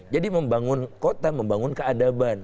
jadi membangun kota membangun keadaban